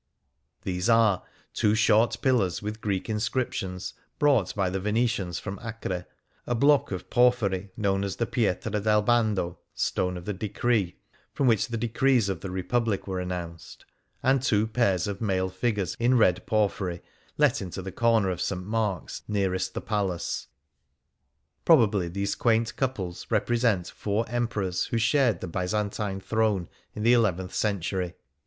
These are : two short pillars with Greek inscriptions, brought by the Venetians from Acre ; a block of porphyry known as the " Pietra del Bando ^ (Stone of the Decree), from which the decrees of the Republic were announced ; and two pairs of male figures in red porphyry let into the corner of St. Mark's nearest the Palace. Probably these quaint couples represent four Emperors who shared the Byzantine throne in the eleventh century.